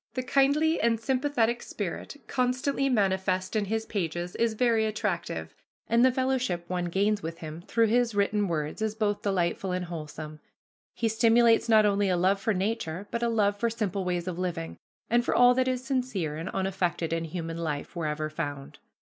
The kindly and sympathetic spirit constantly manifest in his pages is very attractive, and the fellowship one gains with him through his written words is both delightful and wholesome. He stimulates not only a love for nature, but a love for simple ways of living, and for all that is sincere and unaffected in human life, wherever found.